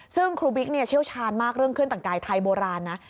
ซึ่งครูบิ๊กเชี่ยวชาญมากเรื่องเครื่องแต่งกายไทยโบราณนะ